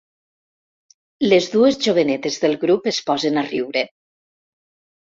Les dues jovenetes del grup es posen a riure.